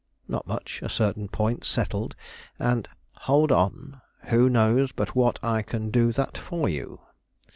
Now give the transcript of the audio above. "Not much; a certain point settled, and " "Hold on; who knows but what I can do that for you?"